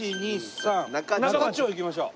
３いきましょう。